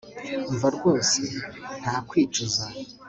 umva rwose nta kwicuza